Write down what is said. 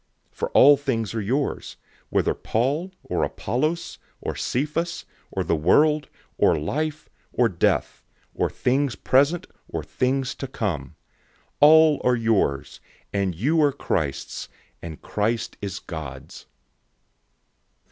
For all things are yours, 003:022 whether Paul, or Apollos, or Cephas, or the world, or life, or death, or things present, or things to come. All are yours, 003:023 and you are Christ's, and Christ is God's.